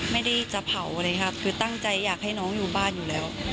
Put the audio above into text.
ไม่ได้จะเผาอะไรอย่างนี้ค่ะคือตั้งใจอยากให้น้องอยู่บ้านอยู่แล้ว